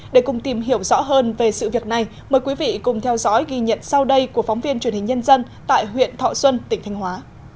để cùng tìm hiểu rõ hơn về sự việc này mời quý vị cùng theo dõi ghi nhận sau đây của phóng viên truyền hình nhân dân tại huyện thọ xuân tỉnh thanh hóa